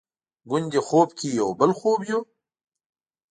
ګوندې خوب کې یو بل خوب یو؟